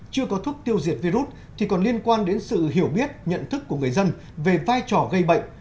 chưa có thuốc tiêu diệt virus thì còn liên quan đến sự hiểu biết nhận thức của người dân về vai trò gây bệnh